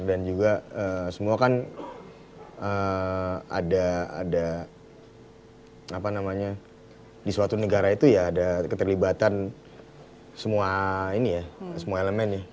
dan juga semua kan ada apa namanya di suatu negara itu ya ada keterlibatan semua ini ya semua elemen ya